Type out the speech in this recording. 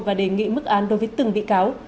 và đề nghị mức án đối với từng bị cáo